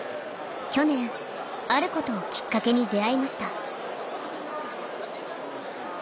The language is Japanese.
去年あることをきっかけに出会いました